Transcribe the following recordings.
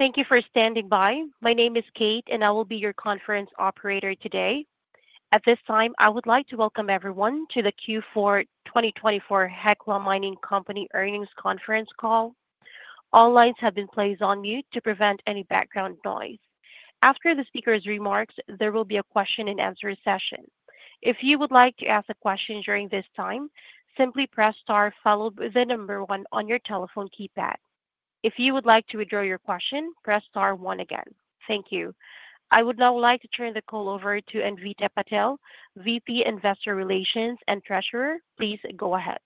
Thank you for standing by. My name is Kate, and I will be your conference operator today. At this time, I would like to welcome everyone to the Q4 2024 Hecla Mining Company Earnings Conference Call. All lines have been placed on mute to prevent any background noise. After the speaker's remarks, there will be a question-and-answer session. If you would like to ask a question during this time, simply press star followed by the number one on your telephone keypad. If you would like to withdraw your question, press star one again. Thank you. I would now like to turn the call over to Anvita Patil, VP Investor Relations and Treasurer. Please go ahead.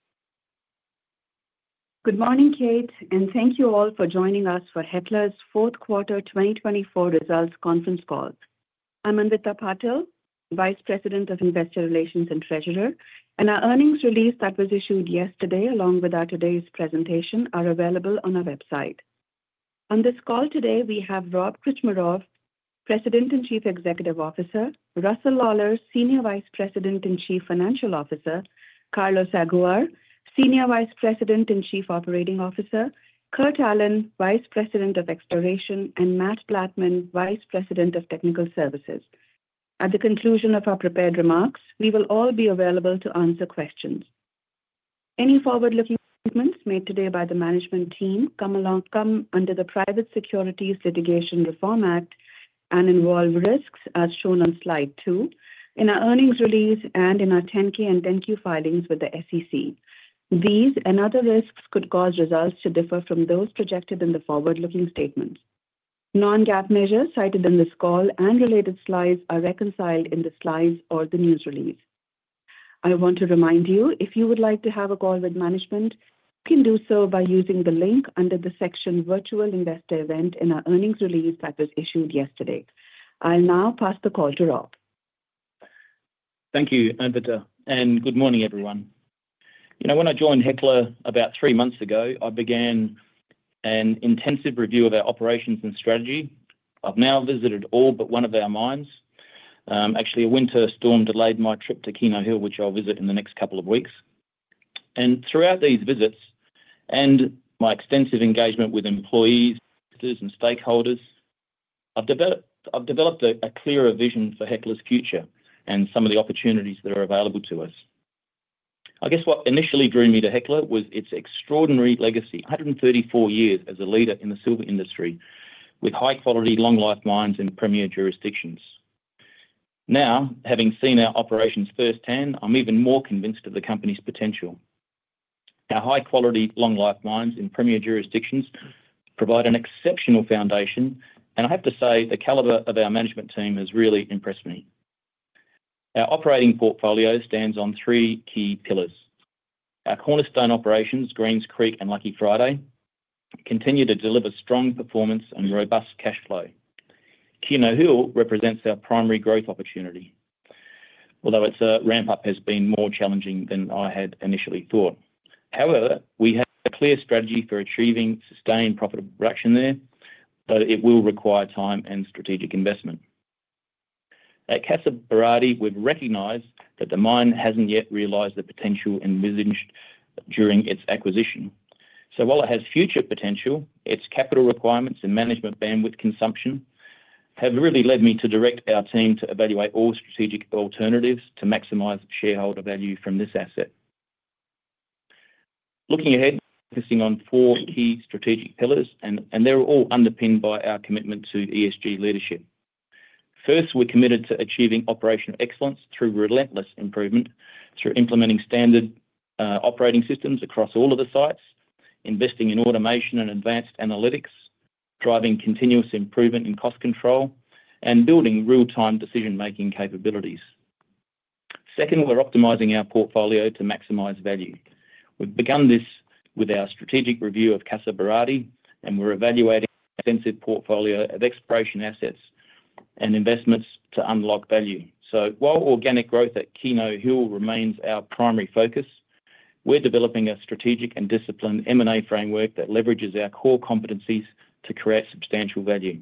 Good morning, Kate, and thank you all for joining us for Hecla's Q4 2024 Results Conference Call. I'm Anvita Patil, Vice President of Investor Relations and Treasurer, and our earnings release that was issued yesterday, along with our today's presentation, are available on our website. On this call today, we have Rob Krcmarov, President and Chief Executive Officer; Russell Lawlar, Senior Vice President and Chief Financial Officer; Carlos Aguiar, Senior Vice President and Chief Operating Officer; Kurt Allen, Vice President of Exploration; and Matt Blattman, Vice President of Technical Services. At the conclusion of our prepared remarks, we will all be available to answer questions. Any forward-looking statements made today by the management team come under the Private Securities Litigation Reform Act and involve risks, as shown on slide two, in our earnings release and in our 10-K and 10-Q filings with the SEC. These and other risks could cause results to differ from those projected in the forward-looking statements. Non-GAAP measures cited in this call and related slides are reconciled in the slides or the news release. I want to remind you, if you would like to have a call with management, you can do so by using the link under the section Virtual Investor Event in our earnings release that was issued yesterday. I'll now pass the call to Rob. Thank you, Anvita, and good morning, everyone. You know, when I joined Hecla about three months ago, I began an intensive review of our operations and strategy. I've now visited all but one of our mines. Actually, a winter storm delayed my trip to Keno Hill, which I'll visit in the next couple of weeks. Throughout these visits and my extensive engagement with employees, investors, and stakeholders, I've developed a clearer vision for Hecla's future and some of the opportunities that are available to us. I guess what initially drew me to Hecla was its extraordinary legacy: 134 years as a leader in the silver industry with high-quality, long-life mines in premier jurisdictions. Now, having seen our operations firsthand, I'm even more convinced of the company's potential. Our high-quality, long-life mines in premier jurisdictions provide an exceptional foundation, and I have to say the caliber of our management team has really impressed me. Our operating portfolio stands on three key pillars. Our cornerstone operations, Greens Creek and Lucky Friday, continue to deliver strong performance and robust cash flow. Keno Hill represents our primary growth opportunity, although its ramp-up has been more challenging than I had initially thought. However, we have a clear strategy for achieving sustained profitable production there, though it will require time and strategic investment. At Casa Berardi, we've recognized that the mine hasn't yet realized the potential envisaged during its acquisition. So, while it has future potential, its capital requirements and management bandwidth consumption have really led me to direct our team to evaluate all strategic alternatives to maximize shareholder value from this asset. Looking ahead, we're focusing on four key strategic pillars, and they're all underpinned by our commitment to ESG leadership. First, we're committed to achieving operational excellence through relentless improvement, through implementing standard operating systems across all of the sites, investing in automation and advanced analytics, driving continuous improvement in cost control, and building real-time decision-making capabilities. Second, we're optimizing our portfolio to maximize value. We've begun this with our strategic review of Casa Berardi, and we're evaluating an extensive portfolio of exploration assets and investments to unlock value. So, while organic growth at Keno Hill remains our primary focus, we're developing a strategic and disciplined M&A framework that leverages our core competencies to create substantial value.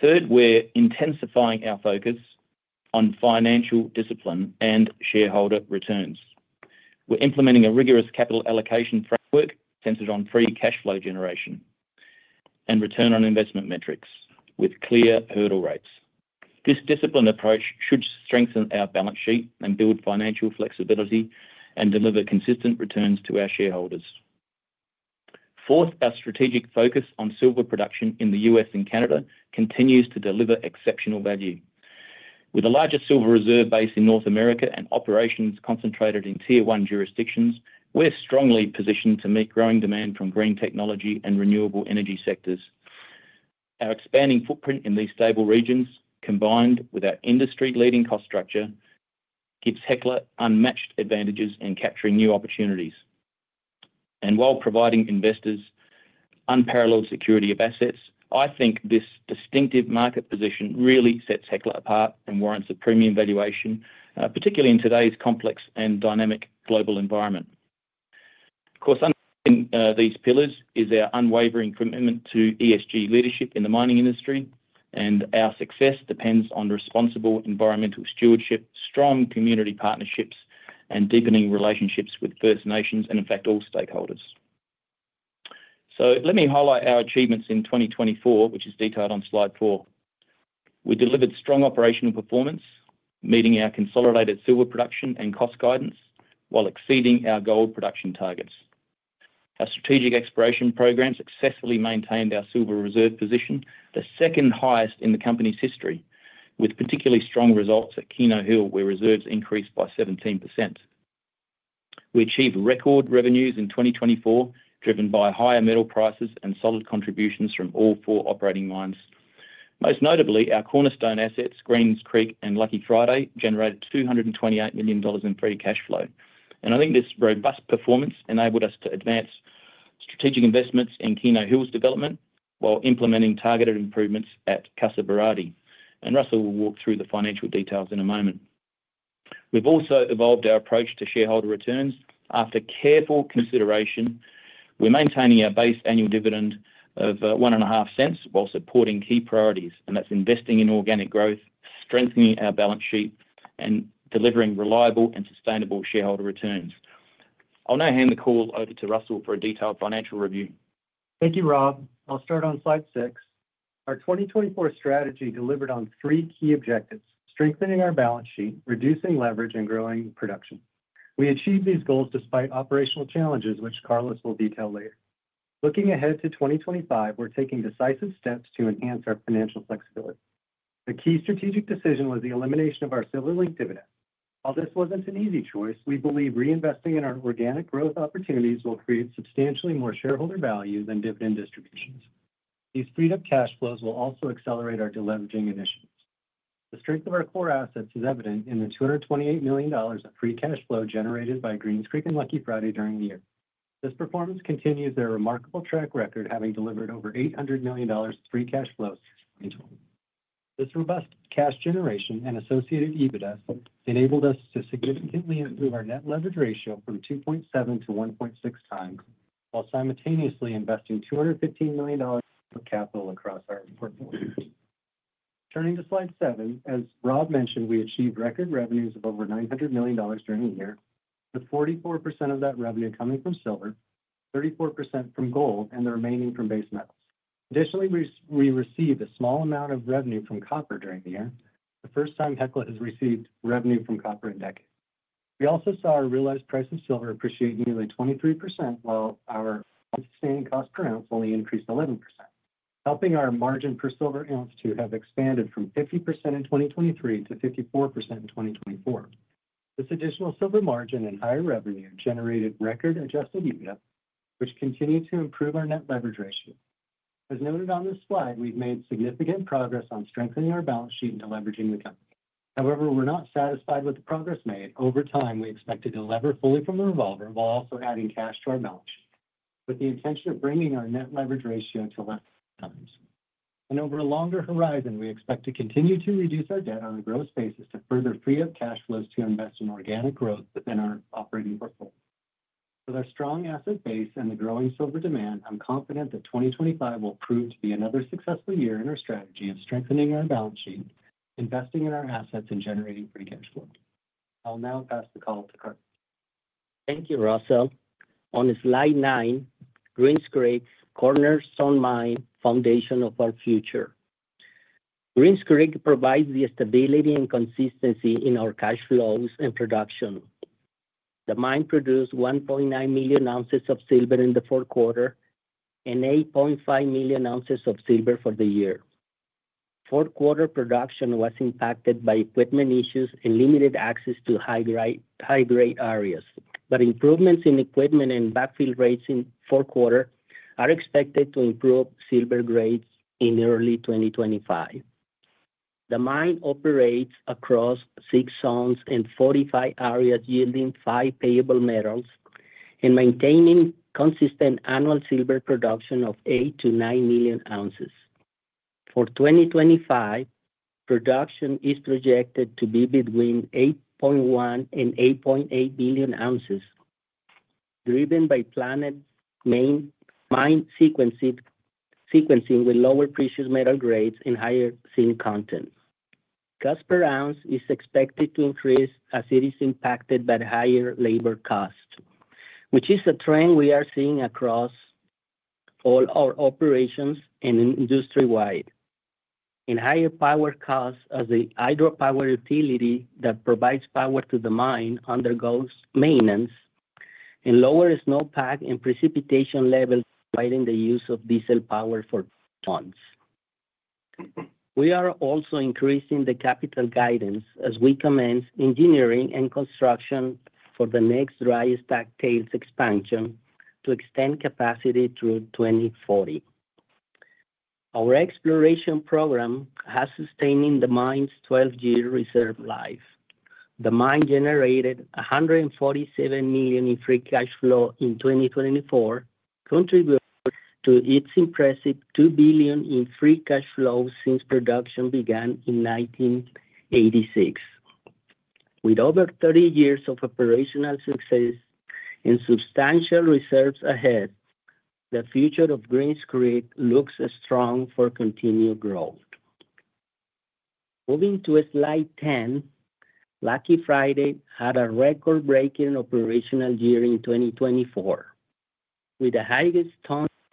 Third, we're intensifying our focus on financial discipline and shareholder returns. We're implementing a rigorous capital allocation framework centered on free cash flow generation and return on investment metrics with clear hurdle rates. This disciplined approach should strengthen our balance sheet and build financial flexibility and deliver consistent returns to our shareholders. Fourth, our strategic focus on silver production in the U.S. and Canada continues to deliver exceptional value. With a larger silver reserve base in North America and operations concentrated in Tier One jurisdictions, we're strongly positioned to meet growing demand from green technology and renewable energy sectors. Our expanding footprint in these stable regions, combined with our industry-leading cost structure, gives Hecla unmatched advantages in capturing new opportunities. And while providing investors unparalleled security of assets, I think this distinctive market position really sets Hecla apart and warrants a premium valuation, particularly in today's complex and dynamic global environment. Of course, underpinning these pillars is our unwavering commitment to ESG leadership in the mining industry, and our success depends on responsible environmental stewardship, strong community partnerships, and deepening relationships with First Nations and, in fact, all stakeholders. So, let me highlight our achievements in 2024, which is detailed on slide four. We delivered strong operational performance, meeting our consolidated silver production and cost guidance while exceeding our gold production targets. Our strategic exploration program successfully maintained our silver reserve position, the second highest in the company's history, with particularly strong results at Keno Hill, where reserves increased by 17%. We achieved record revenues in 2024, driven by higher metal prices and solid contributions from all four operating mines. Most notably, our cornerstone assets, Greens Creek and Lucky Friday, generated $228 million in free cash flow. I think this robust performance enabled us to advance strategic investments in Keno Hill's development while implementing targeted improvements at Casa Berardi. And Russell will walk through the financial details in a moment. We've also evolved our approach to shareholder returns. After careful consideration, we're maintaining our base annual dividend of $0.015 while supporting key priorities, and that's investing in organic growth, strengthening our balance sheet, and delivering reliable and sustainable shareholder returns. I'll now hand the call over to Russell for a detailed financial review. Thank you, Rob. I'll start on slide six. Our 2024 strategy delivered on three key objectives: strengthening our balance sheet, reducing leverage, and growing production. We achieved these goals despite operational challenges, which Carlos will detail later. Looking ahead to 2025, we're taking decisive steps to enhance our financial flexibility. A key strategic decision was the elimination of our silver-linked dividend. While this wasn't an easy choice, we believe reinvesting in our organic growth opportunities will create substantially more shareholder value than dividend distributions. These freed-up cash flows will also accelerate our deleveraging initiatives. The strength of our core assets is evident in the $228 million of free cash flow generated by Greens Creek and Lucky Friday during the year. This performance continues their remarkable track record, having delivered over $800 million of free cash flow in 2020. This robust cash generation and associated EBITDA enabled us to significantly improve our net leverage ratio from 2.7 to 1.6 times while simultaneously investing $215 million of capital across our portfolio. Turning to slide seven, as Rob mentioned, we achieved record revenues of over $900 million during the year, with 44% of that revenue coming from silver, 34% from gold, and the remaining from base metals. Additionally, we received a small amount of revenue from copper during the year, the first time Hecla has received revenue from copper in decades. We also saw our realized price of silver appreciate nearly 23%, while our sustained cost per ounce only increased 11%, helping our margin per silver ounce to have expanded from 50% in 2023 to 54% in 2024. This additional silver margin and higher revenue generated record-adjusted EBITDA, which continued to improve our net leverage ratio. As noted on this slide, we've made significant progress on strengthening our balance sheet and deleveraging the company. However, we're not satisfied with the progress made. Over time, we expect to deliver fully from the revolver while also adding cash to our balance sheet, with the intention of bringing our net leverage ratio to less than three times. And over a longer horizon, we expect to continue to reduce our debt on a gross basis to further free up cash flows to invest in organic growth within our operating portfolio. With our strong asset base and the growing silver demand, I'm confident that 2025 will prove to be another successful year in our strategy of strengthening our balance sheet, investing in our assets, and generating free cash flow. I'll now pass the call to Kurt. Thank you, Russell. On slide nine, Greens Creek's Cornerstone Mine Foundation of Our Future. Greens Creek provides the stability and consistency in our cash flows and production. The mine produced 1.9 million ounces of silver in the Q4 and 8.5 million ounces of silver for the year. Q4 production was impacted by equipment issues and limited access to high-grade areas, but improvements in equipment and backfill rates in the Q4 are expected to improve silver grades in early 2025. The mine operates across six zones and 45 areas yielding five payable metals and maintaining consistent annual silver production of 8 to 9 million ounces. For 2025, production is projected to be between 8.1 and 8.8 million ounces, driven by planned main mine sequencing with lower precious metal grades and higher zinc content. Cost per ounce is expected to increase as it is impacted by the higher labor cost, which is a trend we are seeing across all our operations and industry-wide, and higher power costs as the hydropower utility that provides power to the mine undergoes maintenance and lower snowpack and precipitation levels by the use of diesel power for tons. We are also increasing the capital guidance as we commence engineering and construction for the next dry stack tailings expansion to extend capacity through 2040. Our exploration program has sustained the mine's 12-year reserve life. The mine generated $147 million in free cash flow in 2024, contributing to its impressive $2 billion in free cash flow since production began in 1986. With over 30 years of operational success and substantial reserves ahead, the future of Greens Creek looks strong for continued growth. Moving to slide 10, Lucky Friday had a record-breaking operational year in 2024,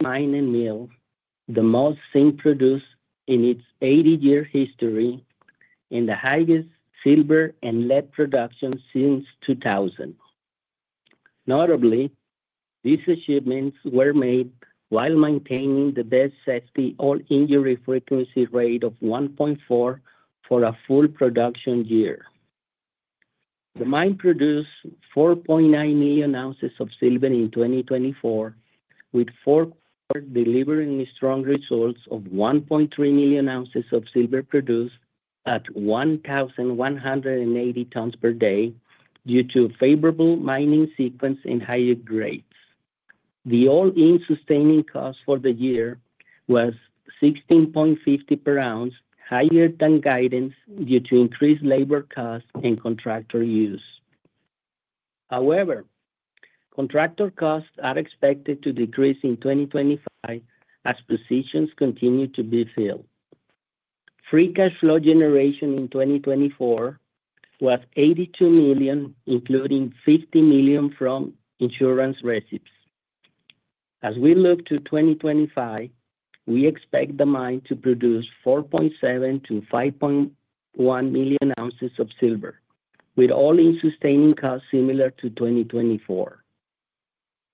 with the highest tons mined and milled, the most zinc produced in its 80-year history, and the highest silver and lead production since 2000. Notably, these achievements were made while maintaining the best safety or injury frequency rate of 1.4 for a full production year. The mine produced 4.9 million ounces of silver in 2024, with Q4 delivering strong results of 1.3 million ounces of silver produced at 1,180 tons per day due to favorable mining sequence and higher grades. The all-in sustaining cost for the year was $16.50 per ounce, higher than guidance due to increased labor costs and contractor use. However, contractor costs are expected to decrease in 2025 as positions continue to be filled. Free cash flow generation in 2024 was $82 million, including $50 million from insurance receipts. As we look to 2025, we expect the mine to produce 4.7-5.1 million ounces of silver, with all-in sustaining costs similar to 2024.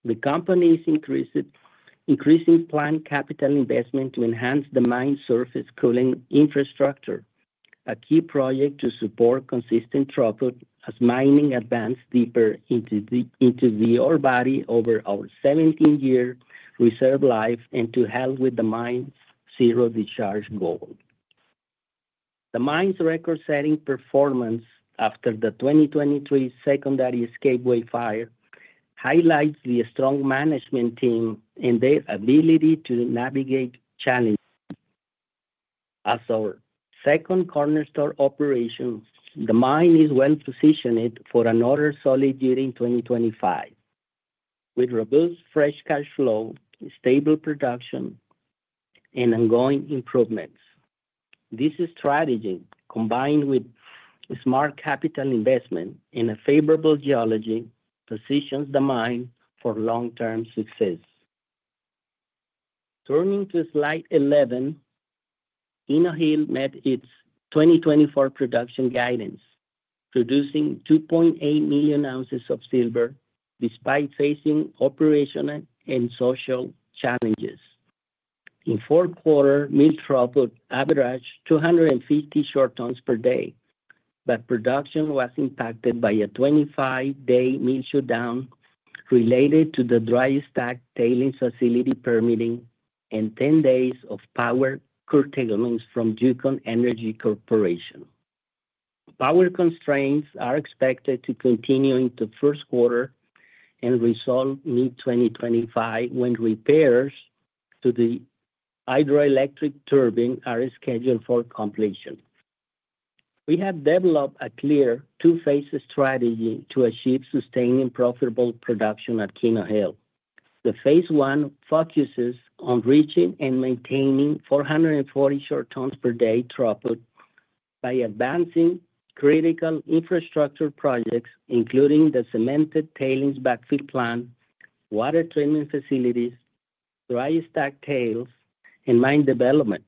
The company is increasing plant capital investment to enhance the mine surface cooling infrastructure, a key project to support consistent throughput as mining advances deeper into the ore body over our 17-year reserve life and to help with the mine's zero-discharge goal. The mine's record-setting performance after the 2023 secondary escapeway fire highlights the strong management team and their ability to navigate challenges. As our second cornerstone operation, the mine is well positioned for another solid year in 2025, with robust fresh cash flow, stable production, and ongoing improvements. This strategy, combined with smart capital investment and a favorable geology, positions the mine for long-term success. Turning to slide 11, Keno Hill met its 2024 production guidance, producing 2.8 million ounces of silver despite facing operational and social challenges. In Q4, mill throughput averaged 250 short tons per day, but production was impacted by a 25-day mill shutdown related to the dry stack tailings facility permitting and 10 days of power curtailments from Yukon Energy Corporation. Power constraints are expected to continue into Q1 and resolve mid-2025 when repairs to the hydroelectric turbine are scheduled for completion. We have developed a clear two-phase strategy to achieve sustaining profitable production at Keno Hill. The Phase I focuses on reaching and maintaining 440 short tons per day throughput by advancing critical infrastructure projects, including the cemented tailings backfill plant, water treatment facilities, dry stack tails, and mine development.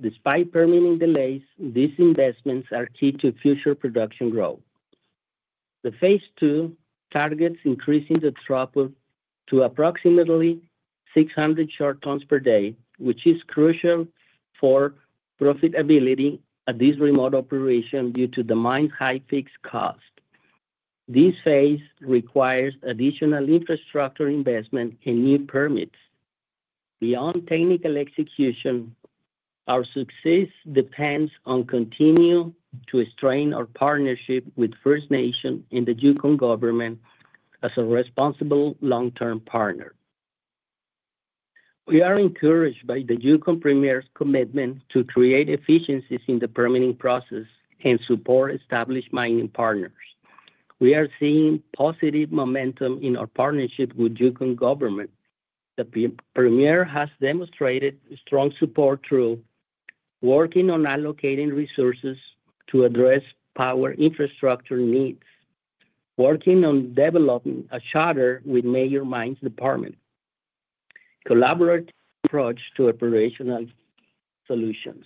Despite permitting delays, these investments are key to future production growth. The Phase II targets increasing the throughput to approximately 600 short tons per day, which is crucial for profitability at this remote operation due to the mine's high fixed cost. This phase requires additional infrastructure investment and new permits. Beyond technical execution, our success depends on continuing to strengthen our partnership with First Nations and the Yukon Government as a responsible long-term partner. We are encouraged by the Yukon Premier's commitment to create efficiencies in the permitting process and support established mining partners. We are seeing positive momentum in our partnership with Yukon Government. The Premier has demonstrated strong support through working on allocating resources to address power infrastructure needs, working on developing a charter with major mines departments, and collaborative approaches to operational solutions.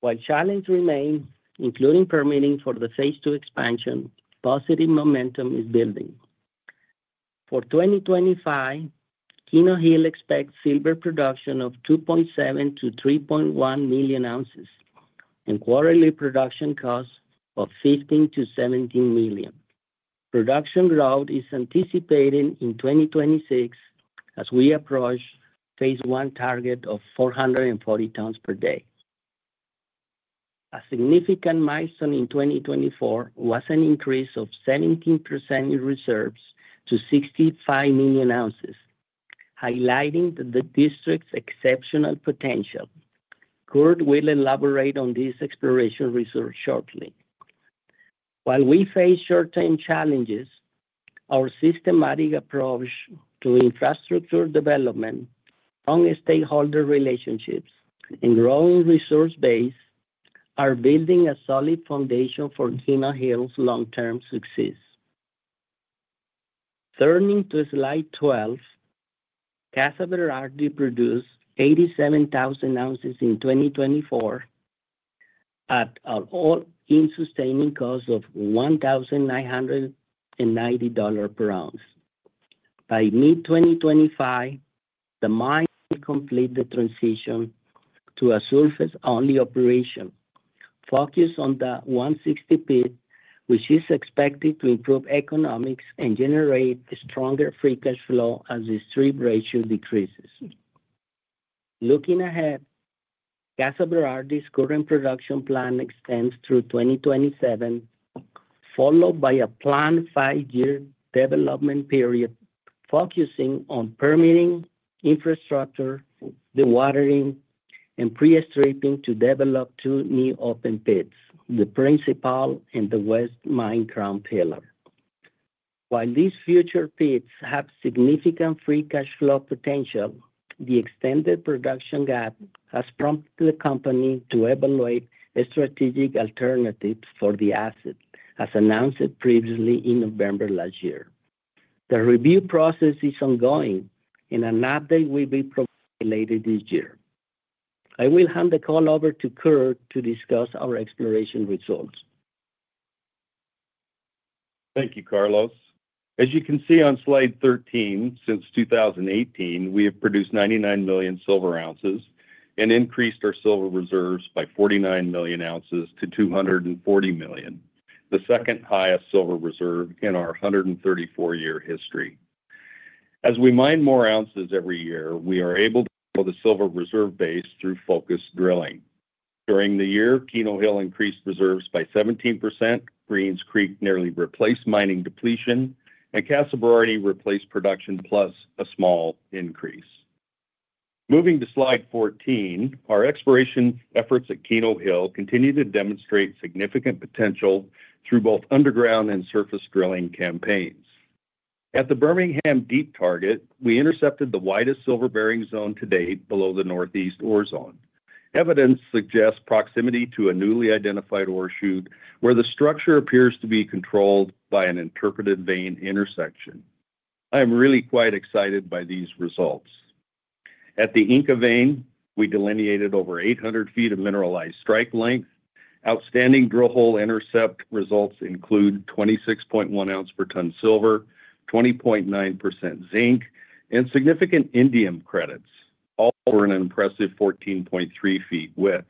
While challenges remain, including permitting for the Phase II expansion, positive momentum is building. For 2025, Keno Hill expects silver production of 2.7-3.1 million ounces and quarterly production costs of $15-$17 million. Production growth is anticipated in 2026 as we approach Phase I target of 440 tons per day. A significant milestone in 2024 was an increase of 17% in reserves to 65 million ounces, highlighting the district's exceptional potential. Kurt will elaborate on this exploration resource shortly. While we face short-term challenges, our systematic approach to infrastructure development, strong stakeholder relationships, and growing resource base are building a solid foundation for Keno Hill's long-term success. Turning to slide 12, Casa Berardi produced 87,000 ounces in 2024 at an all-in sustaining cost of $1,990 per ounce. By mid-2025, the mine will complete the transition to a surface-only operation, focused on the 160 Pit, which is expected to improve economics and generate stronger free cash flow as the strip ratio decreases. Looking ahead, Casa Berardi's current production plan extends through 2027, followed by a planned five-year development period focusing on permitting infrastructure, dewatering, and pre-stripping to develop two new open pits, the Principal Pit and the West Mine Crown Pillar. While these future pits have significant free cash flow potential, the extended production gap has prompted the company to evaluate strategic alternatives for the asset, as announced previously in November last year. The review process is ongoing, and an update will be provided later this year. I will hand the call over to Kurt to discuss our exploration results. Thank you, Carlos. As you can see on slide 13, since 2018, we have produced 99 million silver ounces and increased our silver reserves by 49 million ounces to 240 million, the second highest silver reserve in our 134-year history. As we mine more ounces every year, we are able to fill the silver reserve base through focused drilling. During the year, Keno Hill increased reserves by 17%, Greens Creek nearly replaced mining depletion, and Casa Berardi replaced production plus a small increase. Moving to slide 14, our exploration efforts at Keno Hill continue to demonstrate significant potential through both underground and surface drilling campaigns. At the Bermingham Deep Target, we intercepted the widest silver bearing zone to date below the Northeast Ore Zone. Evidence suggests proximity to a newly identified ore shoot where the structure appears to be controlled by an interpretive vein intersection. I am really quite excited by these results. At the Inca Vein, we delineated over 800 feet of mineralized strike length. Outstanding drill hole intercept results include 26.1 ounce per ton silver, 20.9% zinc, and significant indium credits, all for an impressive 14.3 feet width.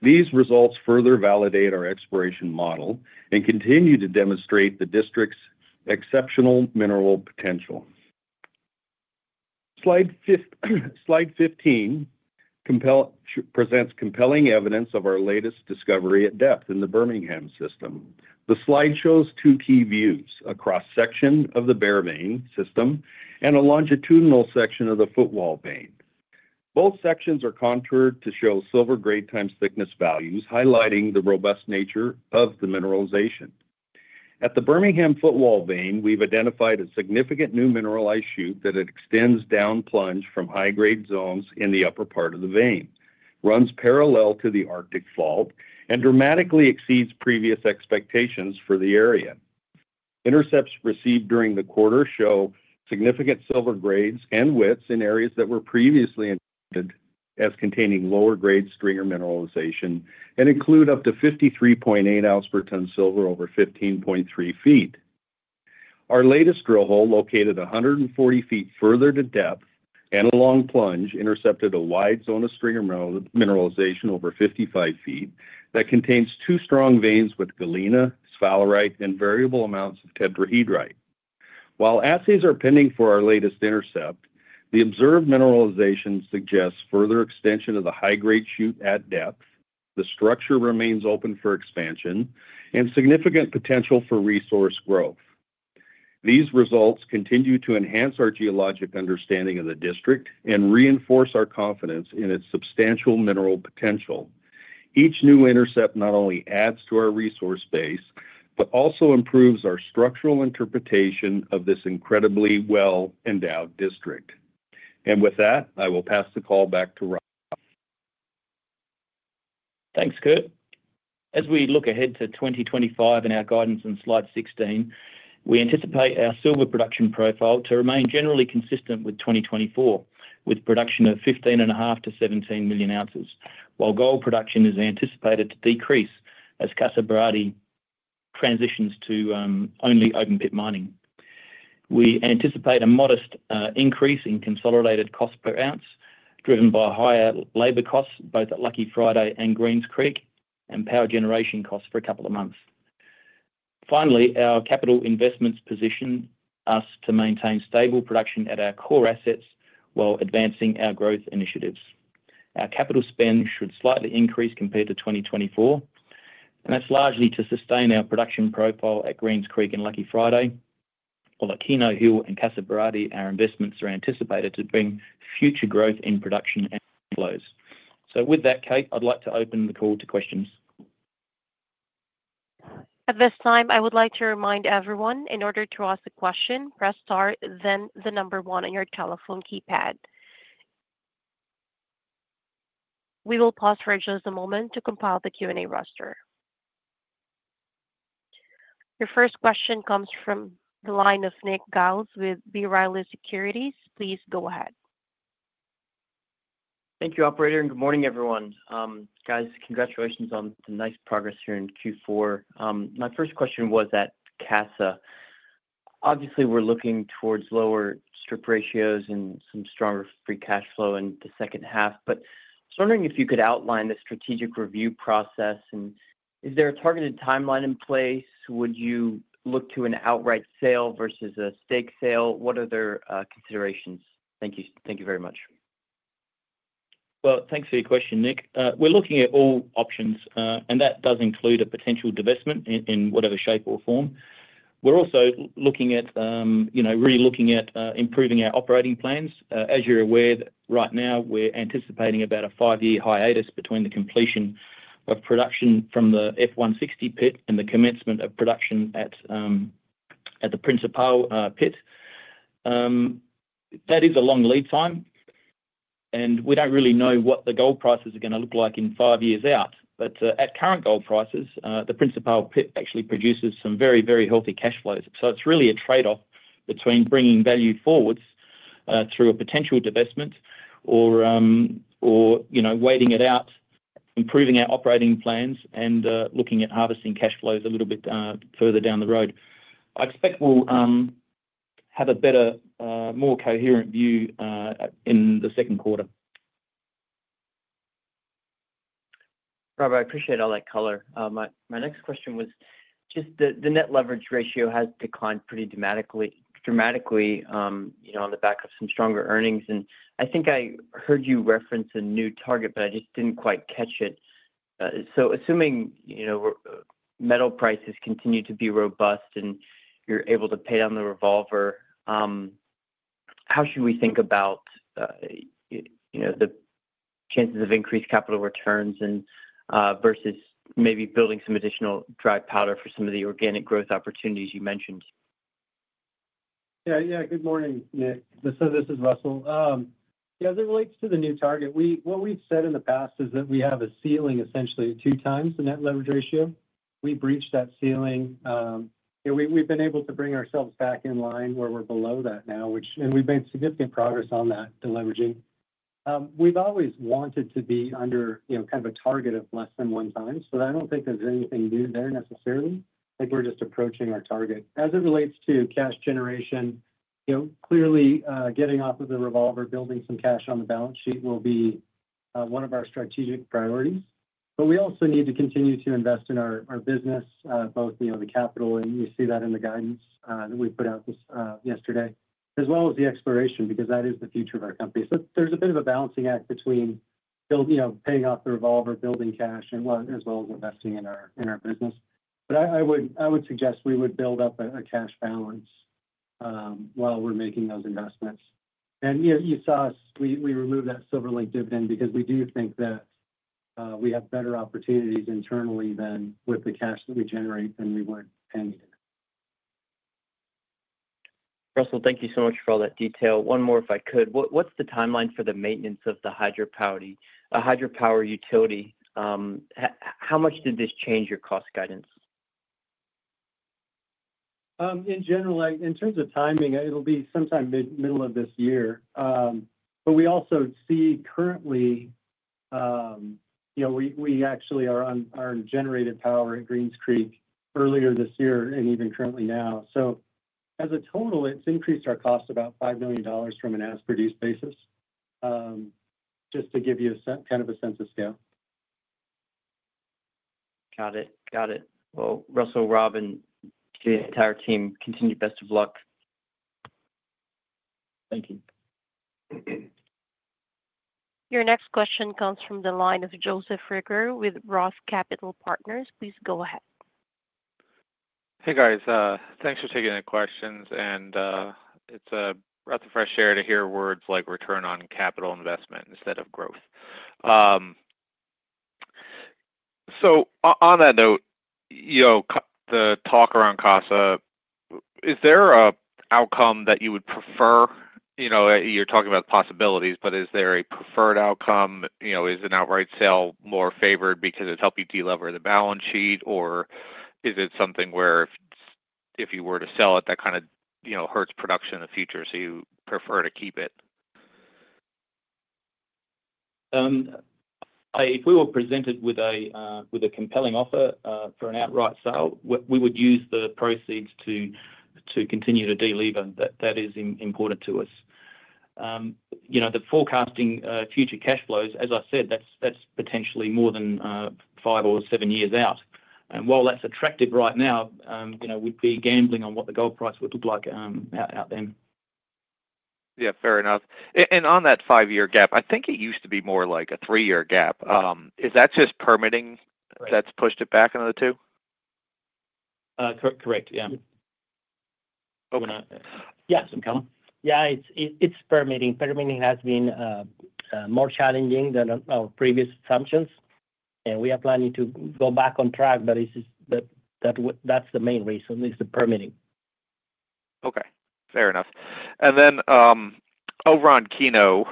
These results further validate our exploration model and continue to demonstrate the district's exceptional mineral potential. Slide 15 presents compelling evidence of our latest discovery at depth in the Bermingham system. The slide shows two key views: a cross-section of the Bear Vein system and a longitudinal section of the Footwall Vein. Both sections are contoured to show silver grade times thickness values, highlighting the robust nature of the mineralization. At the Bermingham Footwall Vein, we've identified a significant new mineralized shoot that extends down plunge from high-grade zones in the upper part of the vein, runs parallel to the Arctic Fault, and dramatically exceeds previous expectations for the area. Intercepts received during the quarter show significant silver grades and widths in areas that were previously indicated as containing lower-grade stringer mineralization and include up to 53.8 ounce per ton silver over 15.3 feet. Our latest drill hole, located 140 feet further to depth and along plunge, intercepted a wide zone of stringer mineralization over 55 feet that contains two strong veins with galena, sphalerite, and variable amounts of tetrahedrite. While assays are pending for our latest intercept, the observed mineralization suggests further extension of the high-grade shoot at depth. The structure remains open for expansion and significant potential for resource growth. These results continue to enhance our geologic understanding of the district and reinforce our confidence in its substantial mineral potential. Each new intercept not only adds to our resource base but also improves our structural interpretation of this incredibly well-endowed district. And with that, I will pass the call back to Rob. Thanks, Kurt. As we look ahead to 2025 in our guidance in slide 16, we anticipate our silver production profile to remain generally consistent with 2024, with production of 15.5-17 million ounces, while gold production is anticipated to decrease as Casa Berardi transitions to only open-pit mining. We anticipate a modest increase in consolidated cost per ounce driven by higher labor costs both at Lucky Friday and Greens Creek and power generation costs for a couple of months. Finally, our capital investments position us to maintain stable production at our core assets while advancing our growth initiatives. Our capital spend should slightly increase compared to 2024, and that's largely to sustain our production profile at Greens Creek and Lucky Friday, while at Keno Hill and Casa Berardi, our investments are anticipated to bring future growth in production and cash flows. So with that, Kate, I'd like to open the call to questions. At this time, I would like to remind everyone, in order to ask a question, press star, then the number one on your telephone keypad. We will pause for just a moment to compile the Q&A roster. Your first question comes from the line of Nick Giles with B. Riley Securities. Please go ahead. Thank you, Operator, and good morning, everyone. Guys, congratulations on the nice progress here in Q4. My first question was at Casa. Obviously, we're looking towards lower strip ratios and some stronger free cash flow in the second half, but I was wondering if you could outline the strategic review process, and is there a targeted timeline in place? Would you look to an outright sale versus a stake sale? What are their considerations? Thank you very much. Well, thanks for your question, Nick. We're looking at all options, and that does include a potential divestment in whatever shape or form. We're also looking at really improving our operating plans. As you're aware, right now, we're anticipating about a five-year hiatus between the completion of production from the F-160 Pit and the commencement of production at the Principal Pit. That is a long lead time, and we don't really know what the gold prices are going to look like in five years out, but at current gold prices, the Principal Pit actually produces some very, very healthy cash flows. So it's really a trade-off between bringing value forwards through a potential divestment or waiting it out, improving our operating plans, and looking at harvesting cash flows a little bit further down the road. I expect we'll have a better, more coherent view in the Q2. Rob, I appreciate all that color. My next question was just the net leverage ratio has declined pretty dramatically on the back of some stronger earnings. And I think I heard you reference a new target, but I just didn't quite catch it. So assuming metal prices continue to be robust and you're able to pay down the revolver, how should we think about the chances of increased capital returns versus maybe building some additional dry powder for some of the organic growth opportunities you mentioned? Yeah, yeah. Good morning, Nick. So this is Russell. Yeah, as it relates to the new target, what we've said in the past is that we have a ceiling essentially two times the net leverage ratio. We breached that ceiling. We've been able to bring ourselves back in line where we're below that now, and we've made significant progress on that leveraging. We've always wanted to be under kind of a target of less than one time, so I don't think there's anything new there necessarily. I think we're just approaching our target. As it relates to cash generation, clearly getting off of the revolver, building some cash on the balance sheet will be one of our strategic priorities. But we also need to continue to invest in our business, both the capital, and you see that in the guidance that we put out yesterday, as well as the exploration, because that is the future of our company. So there's a bit of a balancing act between paying off the revolver, building cash, as well as investing in our business. But I would suggest we would build up a cash balance while we're making those investments. And you saw us, we removed that silver-linked dividend because we do think that we have better opportunities internally than with the cash that we generate than we would have paid it. Russell, thank you so much for all that detail. One more, if I could. What's the timeline for the maintenance of the hydropower utility? How much did this change your cost guidance? In general, in terms of timing, it'll be sometime mid-middle of this year. But we also see currently, we actually are on our generated power at Greens Creek earlier this year and even currently now. So as a total, it's increased our cost about $5 million from an as-produced basis, just to give you kind of a sense of scale. Got it. Got it. Well, Russell, Rob, and the entire team, continue best of luck. Thank you. Your next question comes from the line of Joseph Reagor with Roth Capital Partners. Please go ahead. Hey, guys. Thanks for taking the questions. And it's a breath of fresh air to hear words like return on capital investment instead of growth. So on that note, the talk around Casa, is there an outcome that you would prefer? You're talking about the possibilities, but is there a preferred outcome? Is an outright sale more favored because it's helping deliver the balance sheet, or is it something where if you were to sell it, that kind of hurts production in the future, so you prefer to keep it? If we were presented with a compelling offer for an outright sale, we would use the proceeds to continue to deliver. That is important to us. The forecasting future cash flows, as I said, that's potentially more than five or seven years out, and while that's attractive right now, we'd be gambling on what the gold price would look like out there. Yeah, fair enough. And on that five-year gap, I think it used to be more like a three-year gap. Is that just permitting that's pushed it back into the two? Correct. Yeah. Yeah, some color. Yeah, it's permitting. Permitting has been more challenging than our previous assumptions, and we are planning to go back on track, but that's the main reason is the permitting. Okay. Fair enough. And then over on Keno,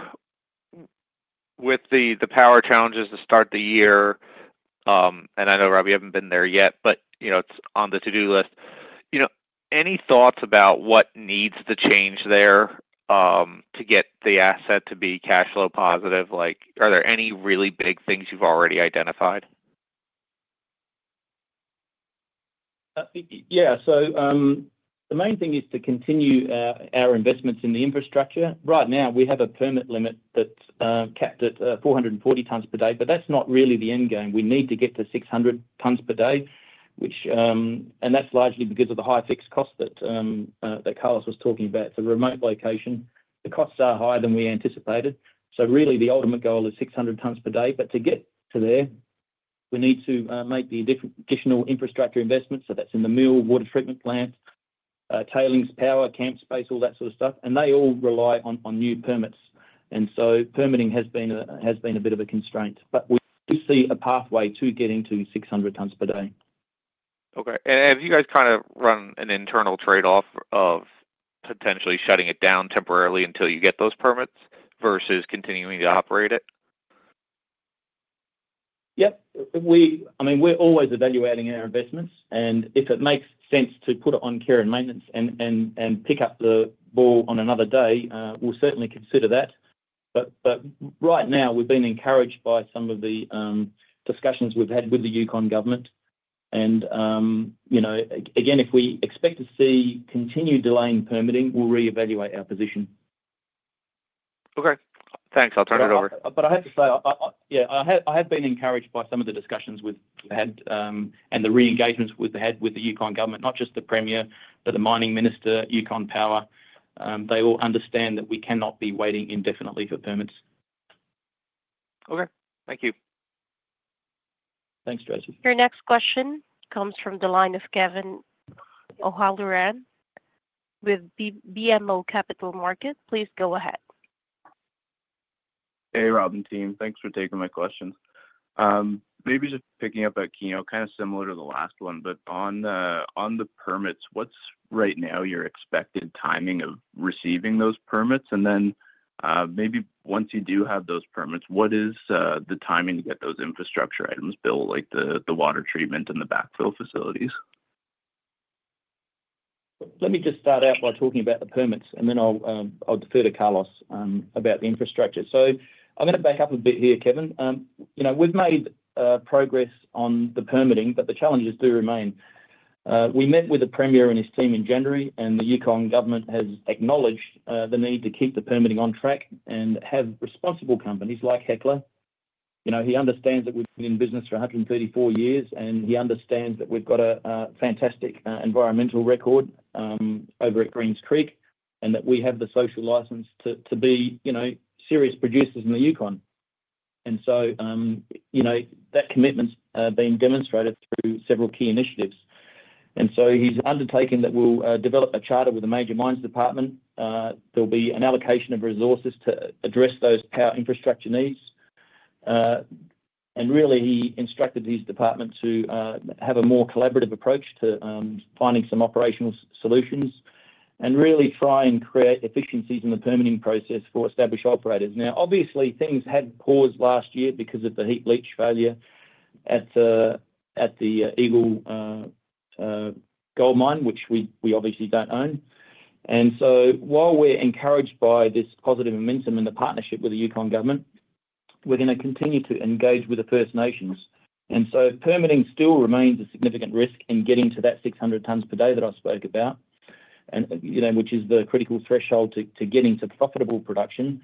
with the power challenges to start the year, and I know, Rob, you haven't been there yet, but it's on the to-do list. Any thoughts about what needs the change there to get the asset to be cash flow positive? Are there any really big things you've already identified? Yeah. The main thing is to continue our investments in the infrastructure. Right now, we have a permit limit that's capped at 440 tons per day, but that's not really the end game. We need to get to 600 tons per day, and that's largely because of the high fixed cost that Carlos was talking about. It's a remote location. The costs are higher than we anticipated. The ultimate goal is 600 tons per day. To get there, we need to make the additional infrastructure investments. That's in the mill, water treatment plant, tailings, power, camp space, all that sort of stuff. They all rely on new permits. Permitting has been a bit of a constraint. We do see a pathway to getting to 600 tons per day. Okay, and have you guys kind of run an internal trade-off of potentially shutting it down temporarily until you get those permits versus continuing to operate it? Yep. I mean, we're always evaluating our investments. And if it makes sense to put it on care and maintenance and pick up the ball on another day, we'll certainly consider that. But right now, we've been encouraged by some of the discussions we've had with the Yukon Government. And again, if we expect to see continued delay in permitting, we'll reevaluate our position. Okay. Thanks. I'll turn it over. But I have to say, yeah, I have been encouraged by some of the discussions we've had and the re-engagements we've had with the Yukon Government, not just the premier, but the mining minister, Yukon Power. They all understand that we cannot be waiting indefinitely for permits. Okay. Thank you. Thanks, Joseph. Your next question comes from the line of Kevin O'Halloran with BMO Capital Markets. Please go ahead. Hey, Rob and team. Thanks for taking my questions. Maybe just picking up at Keno, kind of similar to the last one, but on the permits, what's right now your expected timing of receiving those permits? And then maybe once you do have those permits, what is the timing to get those infrastructure items built, like the water treatment and the backfill facilities? Let me just start out by talking about the permits, and then I'll defer to Carlos about the infrastructure. So I'm going to back up a bit here, Kevin. We've made progress on the permitting, but the challenges do remain. We met with the premier and his team in January, and the Yukon government has acknowledged the need to keep the permitting on track and have responsible companies like Hecla. He understands that we've been in business for 134 years, and he understands that we've got a fantastic environmental record over at Greens Creek and that we have the social license to be serious producers in the Yukon. And so that commitment's been demonstrated through several key initiatives. And so he's undertaking that we'll develop a charter with the major mines department. There'll be an allocation of resources to address those power infrastructure needs. And really, he instructed his department to have a more collaborative approach to finding some operational solutions and really try and create efficiencies in the permitting process for established operators. Now, obviously, things had paused last year because of the heap leach failure at the Eagle Gold Mine, which we obviously don't own. And so while we're encouraged by this positive momentum and the partnership with the Yukon Government, we're going to continue to engage with the First Nations. And so permitting still remains a significant risk in getting to that 600 tons per day that I spoke about, which is the critical threshold to getting to profitable production.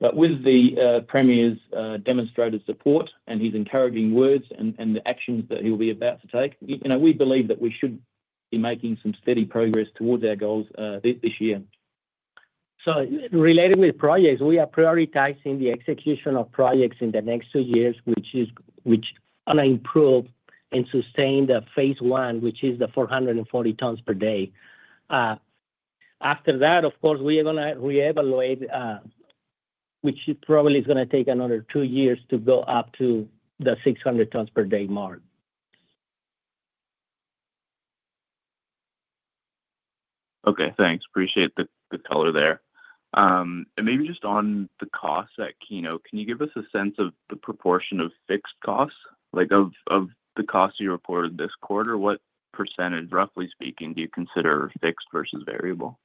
But with the Premier's demonstrated support and his encouraging words and the actions that he'll be about to take, we believe that we should be making some steady progress towards our goals this year. So related with projects, we are prioritizing the execution of projects in the next two years, which are going to improve and sustain the Phase I, which is the 440 tons per day. After that, of course, we are going to reevaluate, which probably is going to take another two years to go up to the 600 tons per day mark. Okay. Thanks. Appreciate the color there, and maybe just on the costs at Keno, can you give us a sense of the proportion of fixed costs? Of the costs you reported this quarter, what percentage, roughly speaking, do you consider fixed versus variable?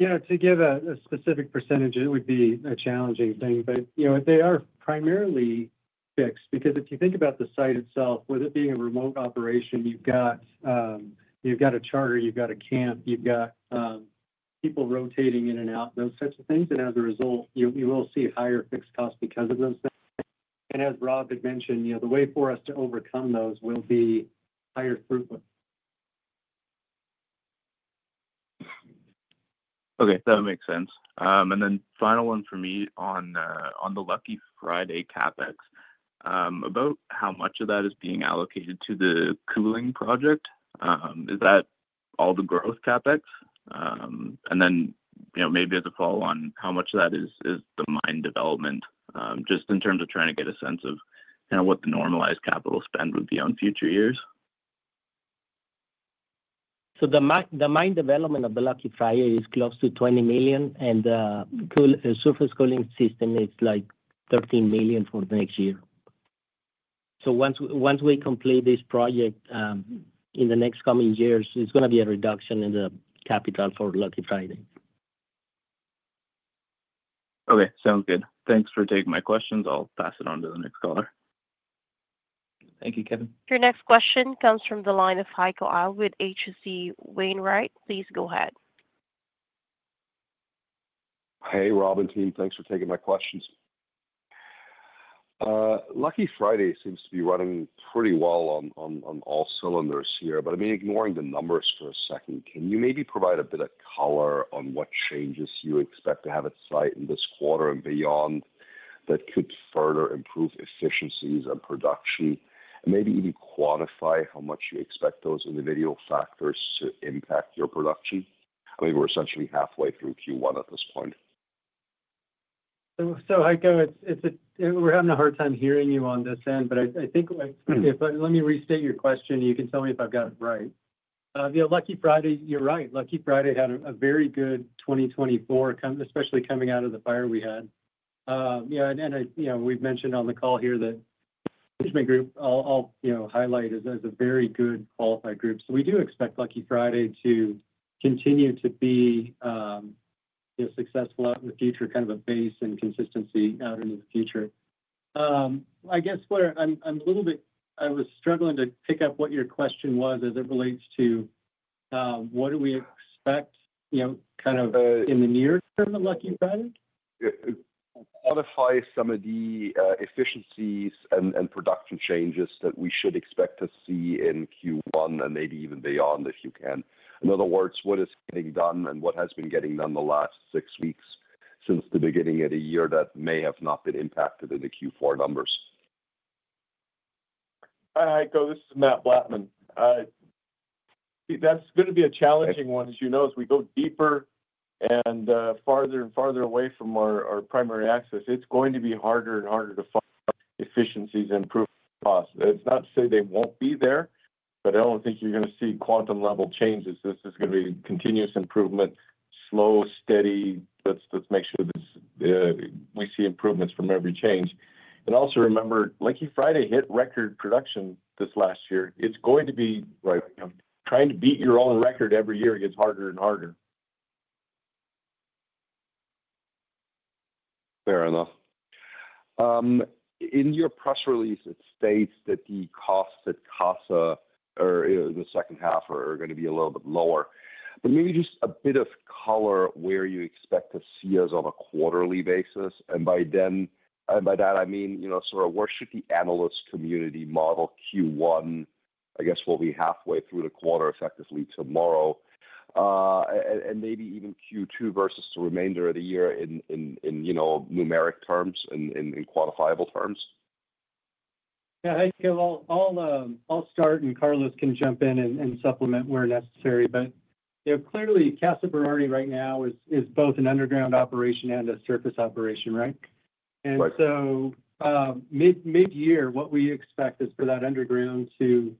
Yeah. To give a specific percentage, it would be a challenging thing. But they are primarily fixed because if you think about the site itself, with it being a remote operation, you've got a charter, you've got a camp, you've got people rotating in and out, those sorts of things. And as a result, you will see higher fixed costs because of those things. And as Rob had mentioned, the way for us to overcome those will be higher throughput. Okay. That makes sense. And then final one for me on the Lucky Friday CapEx, about how much of that is being allocated to the cooling project. Is that all the growth CapEx? And then maybe as a follow-on, how much of that is the mine development, just in terms of trying to get a sense of kind of what the normalized capital spend would be on future years? The mine development of the Lucky Friday is close to $20 million, and the surface cooling system is like $13 million for the next year. Once we complete this project in the next coming years, it's going to be a reduction in the capital for Lucky Friday. Okay. Sounds good. Thanks for taking my questions. I'll pass it on to the next caller. Thank you, Kevin. Your next question comes from the line of Heiko Ihle with H.C. Wainwright. Please go ahead. Hey, Rob and team. Thanks for taking my questions. Lucky Friday seems to be running pretty well on all cylinders here. But I mean, ignoring the numbers for a second, can you maybe provide a bit of color on what changes you expect to have at site in this quarter and beyond that could further improve efficiencies and production? And maybe even quantify how much you expect those individual factors to impact your production? I mean, we're essentially halfway through Q1 at this point. So, Heiko, we're having a hard time hearing you on this end, but I think let me restate your question. You can tell me if I've got it right. Yeah, Lucky Friday, you're right. Lucky Friday had a very good 2024, especially coming out of the fire we had. Yeah. And we've mentioned on the call here that the management group, I'll highlight, is a very good qualified group. So we do expect Lucky Friday to continue to be successful out in the future, kind of a base and consistency out into the future. I guess I'm a little bit. I was struggling to pick up what your question was as it relates to what do we expect kind of in the near term of Lucky Friday? Quantify some of the efficiencies and production changes that we should expect to see in Q1 and maybe even beyond, if you can. In other words, what is getting done and what has been getting done the last six weeks since the beginning of the year that may have not been impacted in the Q4 numbers? Hi, Heiko. This is Matt Blattman. That's going to be a challenging one. As you know, as we go deeper and farther and farther away from our primary access, it's going to be harder and harder to find efficiencies and improve costs. It's not to say they won't be there, but I don't think you're going to see quantum-level changes. This is going to be continuous improvement, slow, steady. Let's make sure we see improvements from every change. And also remember, Lucky Friday hit record production this last year. It's going to be trying to beat your own record every year, gets harder and harder. Fair enough. In your press release, it states that the costs at Casa for the second half are going to be a little bit lower. But maybe just a bit of color where you expect to see us on a quarterly basis. And by that, I mean sort of where should the analyst community model Q1, I guess we'll be halfway through the quarter effectively tomorrow, and maybe even Q2 versus the remainder of the year in numeric terms and in quantifiable terms? Yeah. Heiko, I'll start, and Carlos can jump in and supplement where necessary. But clearly, Casa Berardi right now is both an underground operation and a surface operation, right? And so mid-year, what we expect is for that underground to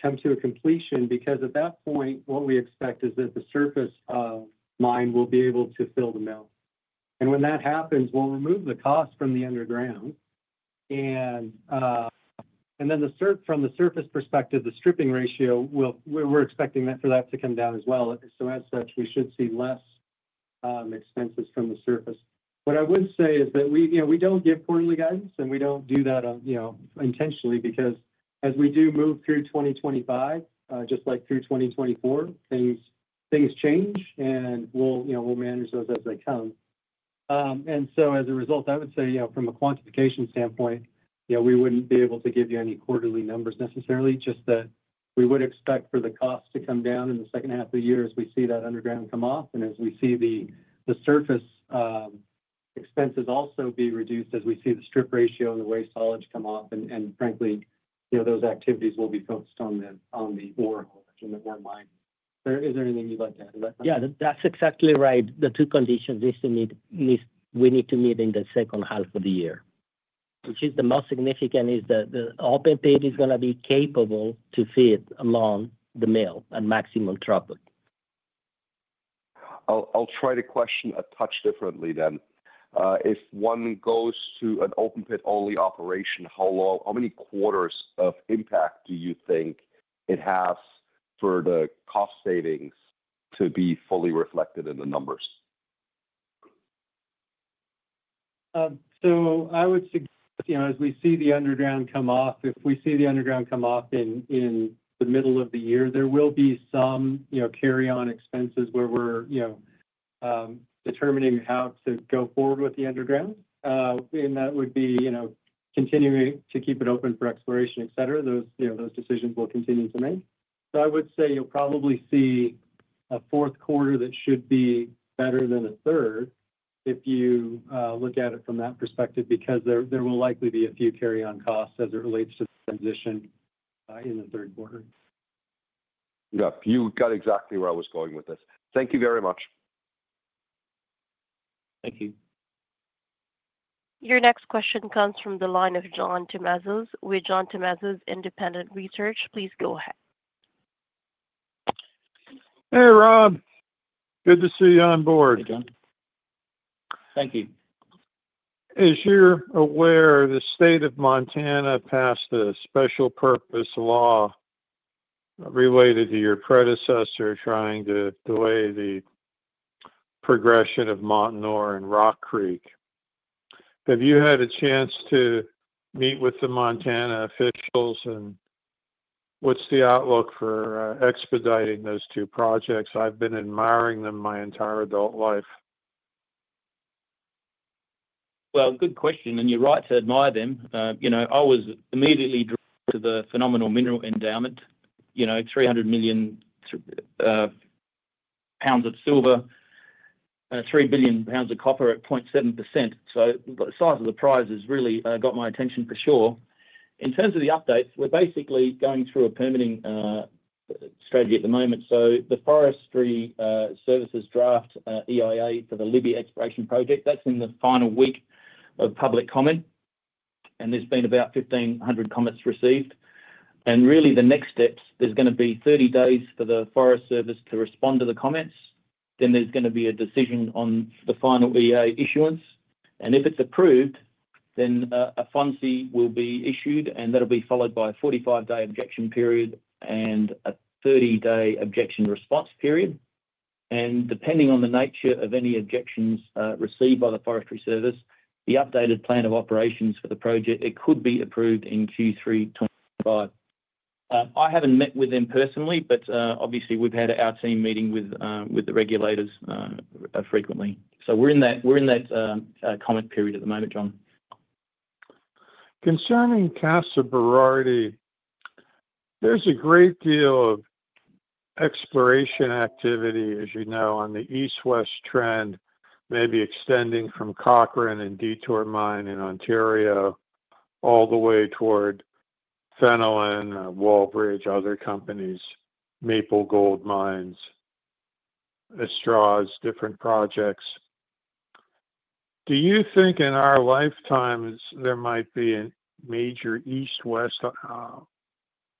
come to a completion because at that point, what we expect is that the surface mine will be able to fill the mill. And when that happens, we'll remove the cost from the underground. And then from the surface perspective, the stripping ratio, we're expecting for that to come down as well. So as such, we should see less expenses from the surface. What I would say is that we don't give quarterly guidance, and we don't do that intentionally because as we do move through 2025, just like through 2024, things change, and we'll manage those as they come. And so as a result, I would say from a quantification standpoint, we wouldn't be able to give you any quarterly numbers necessarily, just that we would expect for the cost to come down in the second half of the year as we see that underground come off and as we see the surface expenses also be reduced as we see the strip ratio and the waste haulage come off. And frankly, those activities will be focused on the ore haulage and the ore mining. Is there anything you'd like to add to that? Yeah. That's exactly right. The two conditions we need to meet in the second half of the year, which is the most significant, is that the open pit is going to be capable to fit along the mill at maximum throughput. I'll try to question a touch differently, then. If one goes to an open pit-only operation, how many quarters of impact do you think it has for the cost savings to be fully reflected in the numbers? So I would suggest as we see the underground come off, if we see the underground come off in the middle of the year, there will be some carry-on expenses where we're determining how to go forward with the underground. And that would be continuing to keep it open for exploration, etc. Those decisions we'll continue to make. So I would say you'll probably see a Q4 that should be better than a third if you look at it from that perspective because there will likely be a few carry-on costs as it relates to the transition in the Q3. Yeah. You got exactly where I was going with this. Thank you very much. Thank you. Your next question comes from the line of John Tumazos with John Tumazos Independent Research. Please go ahead. Hey, Rob. Good to see you on board. Thank you. As you're aware, the state of Montana passed a special purpose law related to your predecessor trying to delay the progression of Montanore and Rock Creek. Have you had a chance to meet with the Montana officials? And what's the outlook for expediting those two projects? I've been admiring them my entire adult life. Good question. You're right to admire them. I was immediately drawn to the phenomenal mineral endowment, 300 million pounds of silver, 3 billion pounds of copper at 0.7%. The size of the prize has really got my attention for sure. In terms of the updates, we're basically going through a permitting strategy at the moment. The Forest Service's draft EIA for the Libby Exploration Project, that's in the final week of public comment. There's been about 1,500 comments received. Really, the next steps, there's going to be 30 days for the Forest Service to respond to the comments. There's going to be a decision on the final EIA issuance. If it's approved, then a FONSI will be issued, and that'll be followed by a 45-day objection period and a 30-day objection response period. Depending on the nature of any objections received by the U.S. Forest Service, the updated plan of operations for the project, it could be approved in Q3 2025. I haven't met with them personally, but obviously, we've had our team meeting with the regulators frequently. We're in that comment period at the moment, John. Concerning Casa Berardi, there's a great deal of exploration activity, as you know, on the east-west trend, maybe extending from Cochrane and Detour Mine in Ontario all the way toward Fenelon, Wallbridge, other companies, Maple Gold Mines, Estrades, different projects. Do you think in our lifetimes there might be a major east-west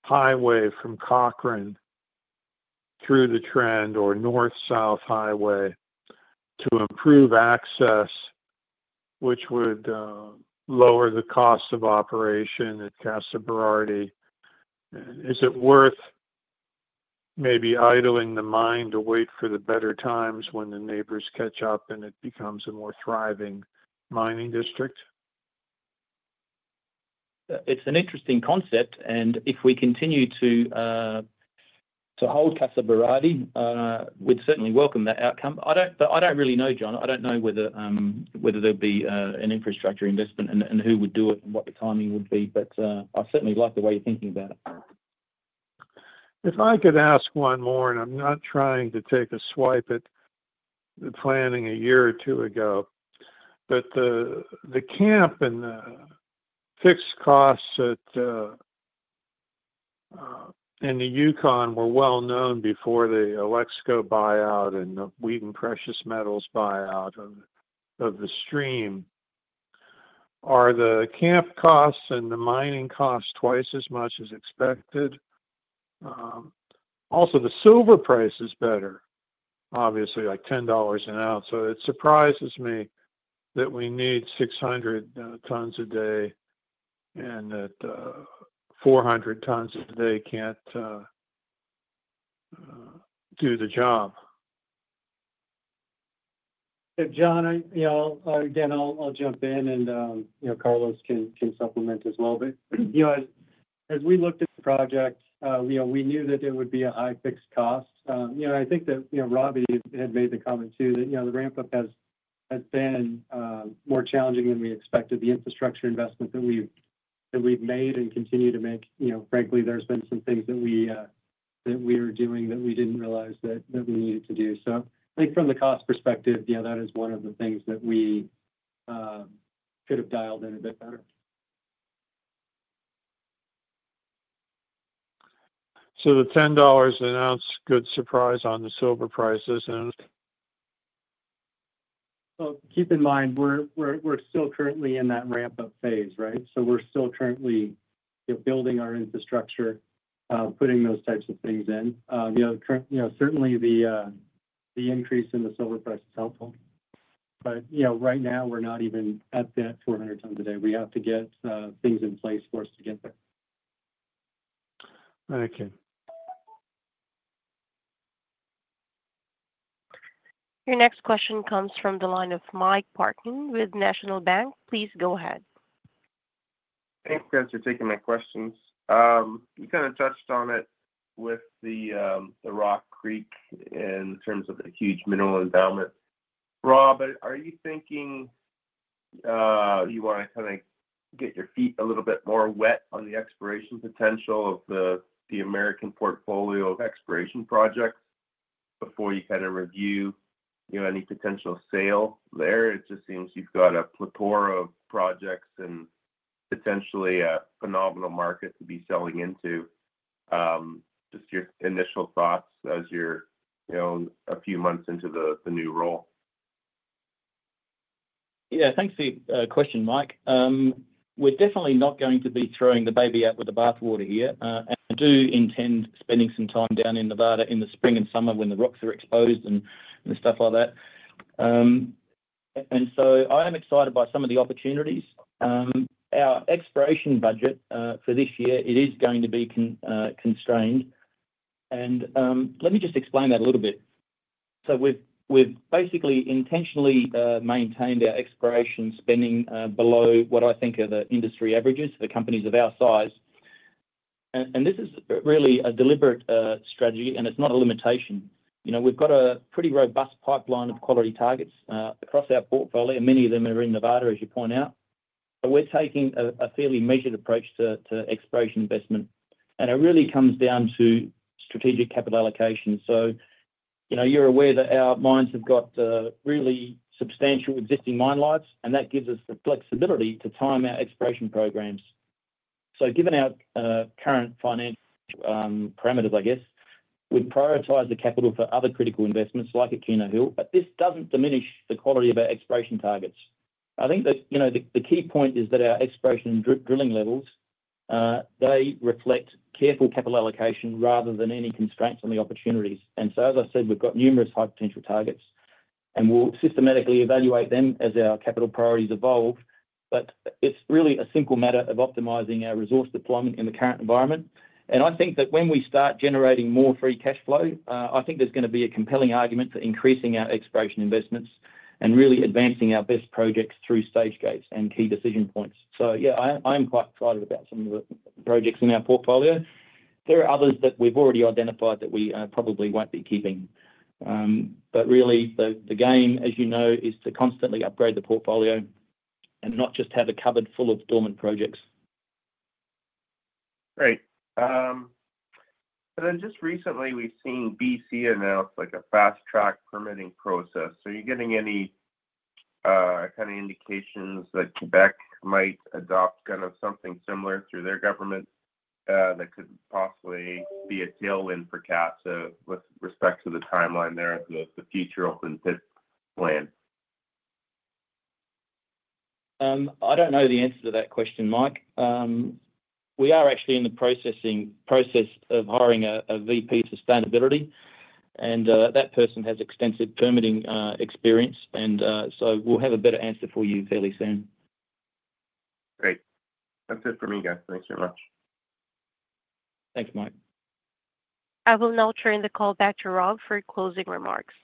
highway from Cochrane through the trend or north-south highway to improve access, which would lower the cost of operation at Casa Berardi? Is it worth maybe idling the mine to wait for the better times when the neighbors catch up and it becomes a more thriving mining district? It's an interesting concept, and if we continue to hold Casa Berardi, we'd certainly welcome that outcome, but I don't really know, John. I don't know whether there'd be an infrastructure investment and who would do it and what the timing would be, but I certainly like the way you're thinking about it. If I could ask one more, and I'm not trying to take a swipe at the planning a year or two ago, but the camp and the fixed costs in the Yukon were well known before the Alexco buyout and the Wheaton Precious Metals buyout of the stream. Are the camp costs and the mining costs twice as much as expected? Also, the silver price is better, obviously, like $10 an ounce. So it surprises me that we need 600 tons a day and that 400 tons a day can't do the job. John, again, I'll jump in, and Carlos can supplement as well. But as we looked at the project, we knew that there would be a high fixed cost. I think that Rob had made the comment too that the ramp-up has been more challenging than we expected. The infrastructure investment that we've made and continue to make, frankly, there's been some things that we are doing that we didn't realize that we needed to do. So I think from the cost perspective, that is one of the things that we could have dialed in a bit better. So the $10 an ounce good surprise on the silver prices, and. Keep in mind, we're still currently in that ramp-up phase, right? So we're still currently building our infrastructure, putting those types of things in. Certainly, the increase in the silver price is helpful. But right now, we're not even at that 400 tons a day. We have to get things in place for us to get there. Thank you. Your next question comes from the line of Mike Parkin with National Bank. Please go ahead. Thanks, guys, for taking my questions. You kind of touched on it with the Rock Creek in terms of the huge mineral endowment. Rob, are you thinking you want to kind of get your feet a little bit more wet on the exploration potential of the American portfolio of exploration projects before you kind of review any potential sale there? It just seems you've got a plateau of projects and potentially a phenomenal market to be selling into. Just your initial thoughts as you're a few months into the new role. Yeah. Thanks for the question, Mike. We're definitely not going to be throwing the baby out with the bathwater here, and I do intend spending some time down in Nevada in the spring and summer when the rocks are exposed and stuff like that, and so I am excited by some of the opportunities. Our exploration budget for this year, it is going to be constrained, and let me just explain that a little bit, so we've basically intentionally maintained our exploration spending below what I think are the industry averages for companies of our size, and this is really a deliberate strategy, and it's not a limitation. We've got a pretty robust pipeline of quality targets across our portfolio. Many of them are in Nevada, as you point out, but we're taking a fairly measured approach to exploration investment, and it really comes down to strategic capital allocation. So you're aware that our mines have got really substantial existing mine lives, and that gives us the flexibility to time our exploration programs. So given our current financial parameters, I guess, we'd prioritize the capital for other critical investments like at Keno Hill. But this doesn't diminish the quality of our exploration targets. I think that the key point is that our exploration and drilling levels, they reflect careful capital allocation rather than any constraints on the opportunities. And so, as I said, we've got numerous high-potential targets, and we'll systematically evaluate them as our capital priorities evolve. But it's really a simple matter of optimizing our resource deployment in the current environment. And I think that when we start generating more free cash flow, I think there's going to be a compelling argument for increasing our exploration investments and really advancing our best projects through stage gates and key decision points. So yeah, I am quite excited about some of the projects in our portfolio. There are others that we've already identified that we probably won't be keeping. But really, the game, as you know, is to constantly upgrade the portfolio and not just have a cupboard full of dormant projects. Great. And then just recently, we've seen B.C. announce a fast-track permitting process. Are you getting any kind of indications that Quebec might adopt kind of something similar through their government that could possibly be a tailwind for Casa with respect to the timeline there of the future open pit plan? I don't know the answer to that question, Mike. We are actually in the process of hiring a VP Sustainability. And that person has extensive permitting experience. And so we'll have a better answer for you fairly soon. Great. That's it for me, guys. Thanks very much. Thanks, Mike. I will now turn the call back to Rob for closing remarks.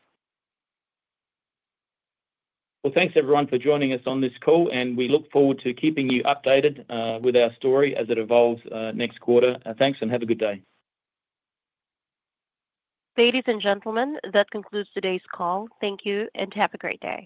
Thanks, everyone, for joining us on this call. We look forward to keeping you updated with our story as it evolves next quarter. Thanks, and have a good day. Ladies and gentlemen, that concludes today's call. Thank you, and have a great day.